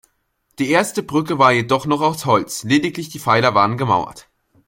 Die erste Brücke war jedoch noch aus Holz, lediglich die Pfeiler waren gemauert.